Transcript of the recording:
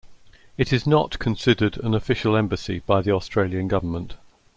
It is not considered an official embassy by the Australian Government.